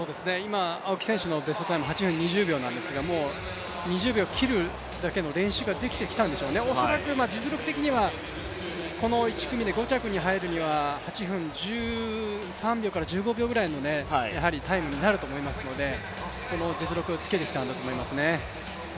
青木選手のベストタイム８分２０秒なんですがもう２０秒切るだけの練習ができてきたんでしょうね、恐らく実力的にはこの１組で５着に入るには８分１３秒から１５秒ぐらいのタイムになると思うのでその実力をつけてきたんだと思いますね。